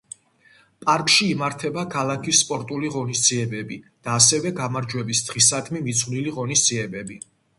პარკში იმართება ქალაქის სპორტული ღონისძიებები და ასევე გამარჯვების დღისადმი მიძღვნილი ღონისძიებები.